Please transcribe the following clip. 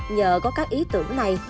nhờ có các ý tưởng này